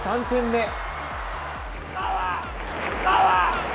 ３点目。